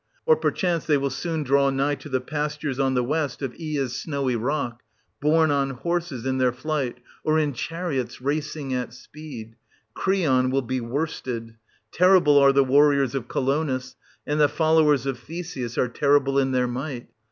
Or perchance they will soon draw nigh to the pastures anUi. on the west of Oea's snowy rock, borne on horses in 1060 their flight, or in chariots racing at speed. Creon will be worsted ! Terrible are the warriors of Colonus, and the followers of Theseus are terrible in their might.